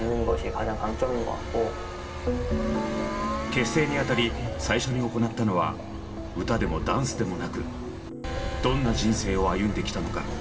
結成にあたり最初に行ったのは歌でもダンスでもなくどんな人生を歩んできたのか？